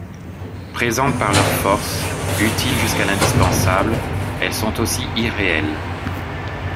Présentes par leur Force, Utiles jusqu'à l'Indispensable; elles sont aussi Irréelles.